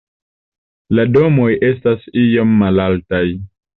La domoj estas iom malaltaj.